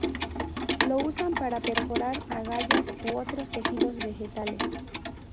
Lo usan para perforar agallas u otros tejidos vegetales.